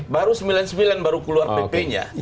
baru sembilan puluh sembilan baru keluar pp nya